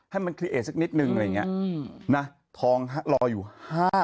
ให้มันคลีเอดสักนิดหนึ่งอะไรอย่างนี้อืมน่ะทองลอยอยู่ห้า